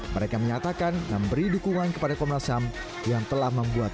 mereka menyatakan memberi dukungan kepada komnas ham yang telah membuat